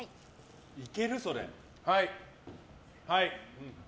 いける？それ。